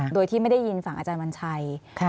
โดยที่ไม่ได้ยินฝั่งอาจารย์วัญชัย